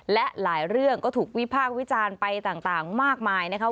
และหลายเรื่องก็ถูกวิพากษ์วิจารณ์ไปต่างมากมายนะคะ